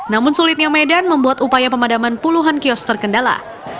namun sulitnya medan membuat upaya pemadaman puluhan kios terkendala